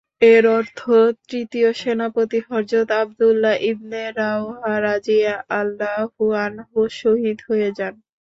এর অর্থ, তৃতীয় সেনাপতি হযরত আব্দুল্লাহ ইবনে রাওহা রাযিয়াল্লাহু আনহুও শহীদ হয়ে যান।